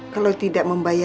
kalau tidak membayarnya